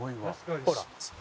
ほら。